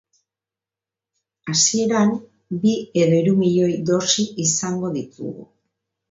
Hasieran bi edo hiru milioi dosi izango ditugu.